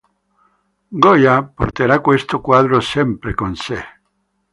Goya porterà questo quadro sempre con sé.